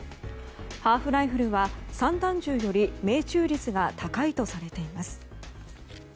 ハーフライフルは散弾銃より命中率が高いとされています。